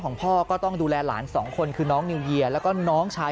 พ่อก็ต้องดูแลหลานสองคนคือน้องนิวเยียแล้วก็น้องชาย